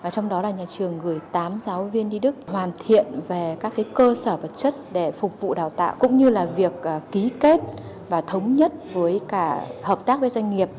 trong đó là nhà trường gửi tám giáo viên đi đức hoàn thiện về các cơ sở vật chất để phục vụ đào tạo cũng như là việc ký kết và thống nhất với cả hợp tác với doanh nghiệp